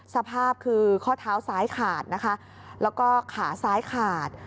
สภาพคือข้อเท้าซ้ายขาดนะคะแล้วก็ขาซ้ายขาด